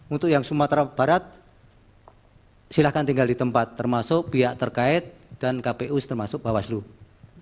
untuk yang sumatera barat silakan tinggal di tempat termasuk pihak terkait dan kpu termasuk bawaslu